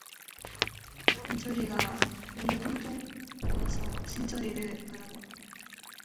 영철이가 볼이 퉁퉁 부어서 신철이를 바라보았다.